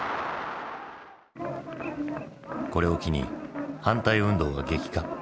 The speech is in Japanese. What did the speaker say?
これを機に反対運動は激化。